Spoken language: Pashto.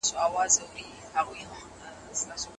الله پوښتنه کوي.